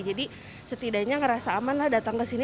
jadi setidaknya merasa aman datang ke sini